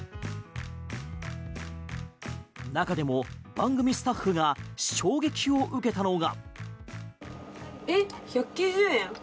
中でも番組スタッフが衝撃を受けたのが。